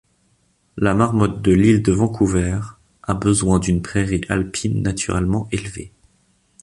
La Marmotte de l'île de Vancouver a besoin d'une prairie alpine, naturellement élevée.